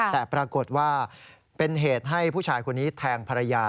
แต่ปรากฏว่าเป็นเหตุให้ผู้ชายคนนี้แทงภรรยา